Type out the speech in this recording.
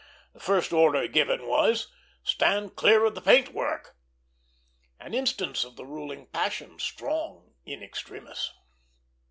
The first order given was, "Stand clear of the paint work!" an instance of the ruling passion strong in extremis.